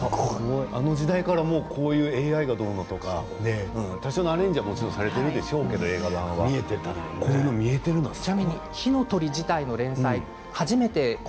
あの時代からこういう、ＡＩがどうのとか多少のアレンジはされているでしょうけどこういうのが見えてるのがすごい。